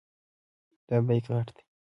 دا بیک غټ دی.